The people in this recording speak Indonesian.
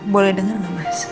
boleh denger gak mas